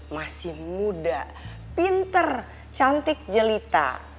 masih muda pinter cantik jelita